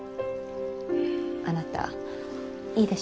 あなたいいでしょ？